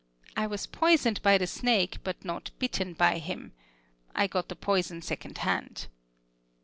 I was poisoned by the snake but not bitten by him. I got the poison second hand.